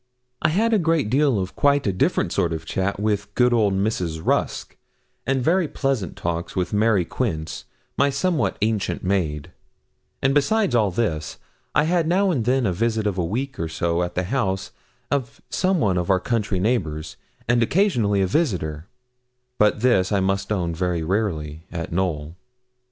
I had a great deal of quite a different sort of chat with good old Mrs. Rusk, and very pleasant talks with Mary Quince, my somewhat ancient maid; and besides all this, I had now and then a visit of a week or so at the house of some one of our country neighbours, and occasionally a visitor but this, I must own, very rarely at Knowl.